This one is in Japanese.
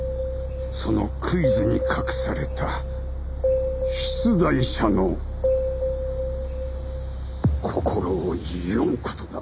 そのクイズに隠された出題者の心を読む事だ。